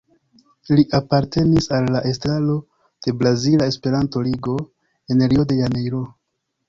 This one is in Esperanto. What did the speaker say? Li apartenis al la estraro de Brazila Esperanto-Ligo, en Rio de Janeiro.